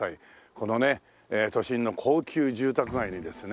このね都心の高級住宅街にですね